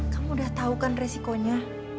kamu udah tahu kan resikonya